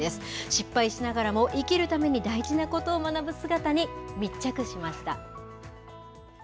失敗しながらも、生きるために大事なことを学ぶ姿に密着しました。